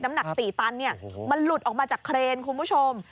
น้ำหนักตีตันเนี่ยมันหลุดออกมาจากเครนคุณผู้ชม